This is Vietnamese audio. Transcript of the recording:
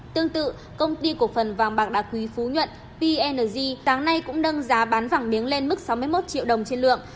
tương tự công ty cổ phần vàng bạc đá quý phú nhuận png nay cũng nâng giá bán vàng miếng lên mức sáu mươi một triệu đồng trên lượng